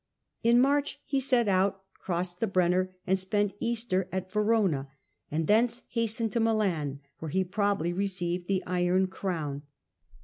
In March, he set out, crossed the Brenner, spent Easter at Verona, and thence hastened to Milan, where Henry goes ^® probably received the iron crown.